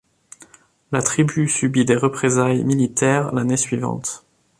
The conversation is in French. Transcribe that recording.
La tribu subit des représailles militaires l'année suivante.